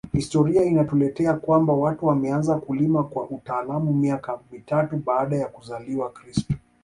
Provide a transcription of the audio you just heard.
Historia inatueleza kwamba watu wameanza kulima kwa utaalamu miaka mitatu baada ya kuzaliwa kristo